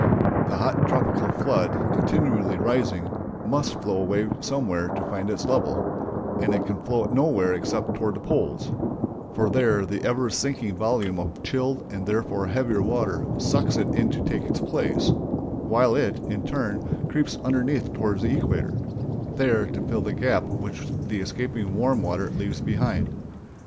The hot tropical flood, continually rising, must flow away somewhere to find its level; and it can flow nowhere except toward the poles, for there the ever sinking volume of chilled and therefore heavier water sucks it in to take its place, while it, in turn, creeps underneath toward the equator, there to fill the gap which the escaping warm water leaves behind.